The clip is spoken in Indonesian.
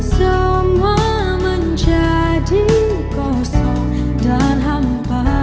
semua menjadi kosong dan hampa